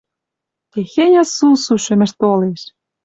Техеньӹ сусу шӱмӹш толеш